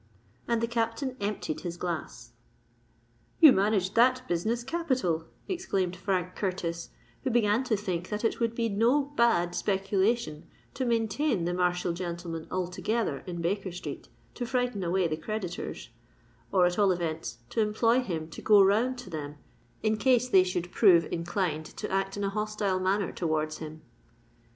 And the Captain emptied his glass. "You managed that business capital," exclaimed Frank Curtis, who began to think that it would be no bad speculation to maintain the martial gentleman altogether in Baker Street to frighten away the creditors,—or, at all events, to employ him to go round to them, in case they should prove inclined to act in a hostile manner towards him.